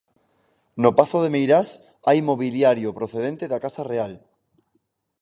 No pazo de Meirás hai mobiliario procedente da Casa Real.